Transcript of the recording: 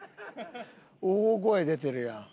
大声出てるやん。